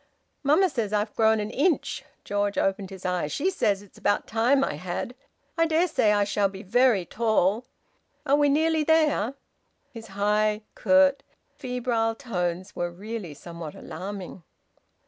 "Mamma says I've grown an inch." George opened his eyes. "She says it's about time I had! I dare say I shall be very tall. Are we nearly there?" His high, curt, febrile tones were really somewhat alarming.